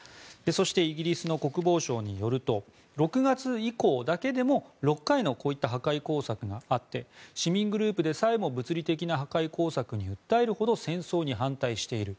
そしてイギリスの国防省によると６月以降だけでも６回のこういった破壊工作があって市民グループでさえも物理的な破壊工作に訴えるほど戦争に反対している。